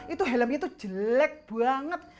itu helmnya tuh jelek banget